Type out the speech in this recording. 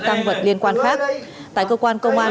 tăng vật liên quan khác tại cơ quan công an